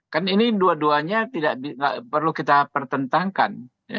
kan ini dua duanya tidak perlu kita pertentangkan